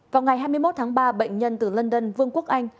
vào ngày hai mươi một tháng ba bệnh nhân từ london vương quốc anh